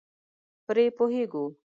پرې پوهېږو.